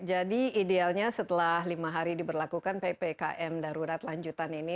jadi idealnya setelah lima hari diberlakukan ppkm darurat lanjutan ini